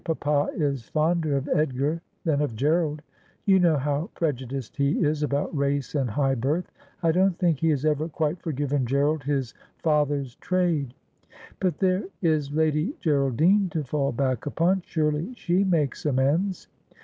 Papa is fonder of Edgar than of G erald. You know how prejudiced he is about race and high birth. I don't think he has ever quite forgiven Gerald his father's trade.' ' But there is Lady Geraldine to fall back upon. Surely she makes amends.'